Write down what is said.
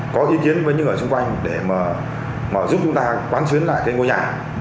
có ý kiến với những người xung quanh để mà giúp chúng ta quán xuyến lại cái ngôi nhà